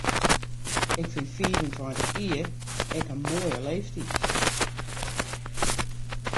Ik fyn fiif en tweintich jier ek in moaie leeftyd.